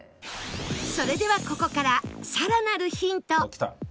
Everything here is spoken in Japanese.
それではここからさらなるヒント